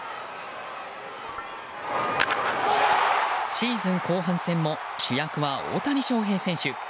シーズン後半戦も主役は大谷翔平選手。